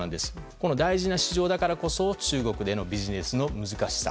この大事な市場だからこそ中国でのビジネスの難しさ